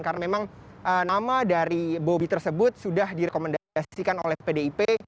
karena memang nama dari bopi tersebut sudah direkomendasikan oleh pdip